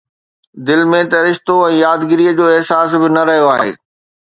دل ۾ ته رشتو ۽ يادگيريءَ جو احساس به نه رهيو آهي